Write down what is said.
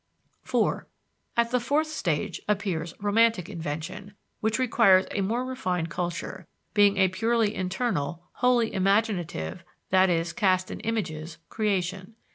4. At the fourth stage appears romantic invention, which requires a more refined culture, being a purely internal, wholly imaginative (i.e., cast in images) creation.